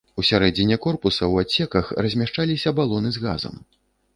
Усярэдзіне корпуса ў адсеках размяшчаліся балоны з газам.